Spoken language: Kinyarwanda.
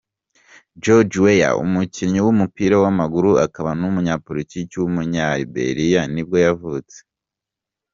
George Weah, umukinnyi w’umupira w’amaguru akaba n’umunyapolitiki w’umunyaliberia nibwo yavutse.